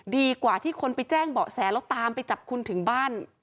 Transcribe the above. ดีกว่าที่คนไปแจ้งเบาะแสแล้วตามไปจับคุณถึงบ้าน